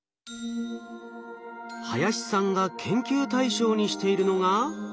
林さんが研究対象にしているのが。